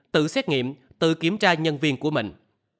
tự xét nghiệm tự kiểm tra nhân viên của mình